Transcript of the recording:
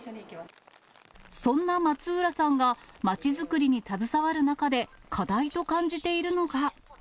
そんな松浦さんが、まちづくりに携わる中で課題と感じているのが。